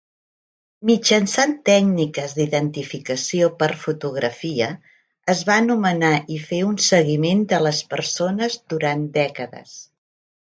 Mitjançant tècniques d'identificació per fotografia, es va nomenar i fer un seguiment de les persones durant dècades.